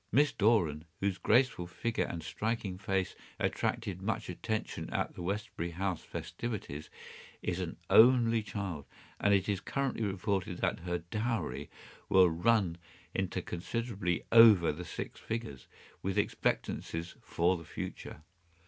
Miss Doran, whose graceful figure and striking face attracted much attention at the Westbury House festivities, is an only child, and it is currently reported that her dowry will run to considerably over the six figures, with expectancies for the future.